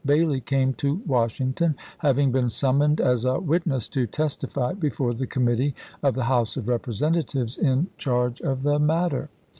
Bailey, came to Washington, having been summoned as a witness to testify before the committee of the House of Representatives in charge of the matter.